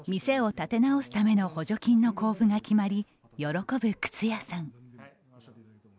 店を立て直すための補助金の交付が決まり、喜ぶ靴屋さん。